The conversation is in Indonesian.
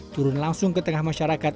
turun langsung ke tengah masyarakat